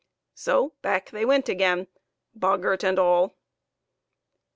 So back they went again boggart and all.